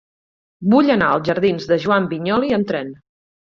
Vull anar als jardins de Joan Vinyoli amb tren.